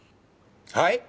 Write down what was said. はい？